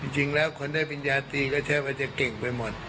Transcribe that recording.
จริงแล้วคนได้ปริญญาตีก็ใช้ว่าจะเก่งไปหมด